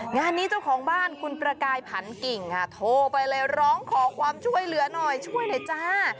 งานนี้เจ้าของบ้านคุณประกายผันกิ่งค่ะโทรไปเลยร้องขอความช่วยเหลือหน่อยช่วยหน่อยจ้า